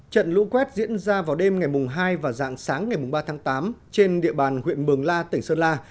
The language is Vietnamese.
trận lũ quét diễn ra vào đêm ngày hai và dạng sáng ngày ba tháng tám trên địa bàn huyện mường la tỉnh sơn la